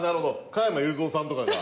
加山雄三さんとかが。